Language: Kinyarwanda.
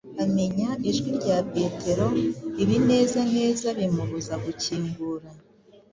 Amenya ijwi rya Petero, ibinezaneza bimubuza gukingura,